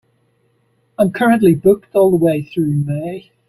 I'm currently booked all the way through May.